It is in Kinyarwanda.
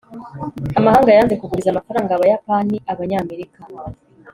amabanki yanze kuguriza amafaranga abayapani-abanyamerika